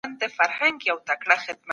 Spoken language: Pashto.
فساد د هر شر ريښه ده.